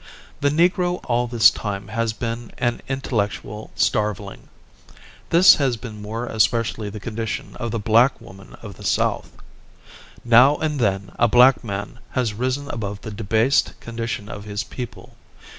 The Negro all this time has been an intellectual starveling. This has been more especially the condition of the black woman of the South. Now and then a black man has risen above the debased condition of his people.